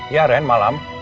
ya ren malam